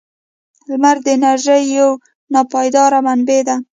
• لمر د انرژۍ یو ناپایدار منبع دی.